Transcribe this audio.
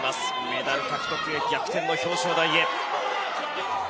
メダル獲得へ、逆転の表彰台へ。